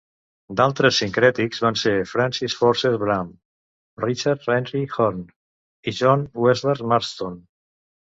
D'altres sincrètics van ser Francis Foster Barham, Richard Henry Horne i John Westland Marston.